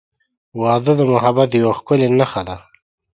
• واده د محبت یوه ښکلی نښه ده.